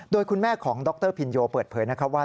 โดยคุณแม่ของดรพินโยเปิดเผยนะครับว่า